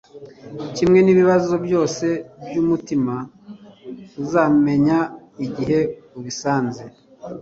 Kimwe n'ibibazo byose by'umutima, uzamenya igihe ubisanze